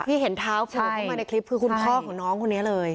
เห็นเท้าโผล่เข้ามาในคลิปคือคุณพ่อของน้องคนนี้เลย